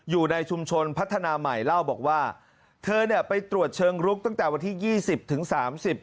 อยู่ในชุมชนพัฒนาใหม่เล่าบอกว่าเธอเนี่ยไปตรวจเชิงลุกตั้งแต่วันที่ยี่สิบถึงสามสิบ